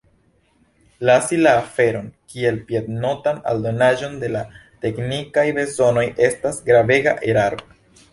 Lasi la aferon kiel piednotan aldonaĵon de la teknikaj bezonoj estas gravega eraro.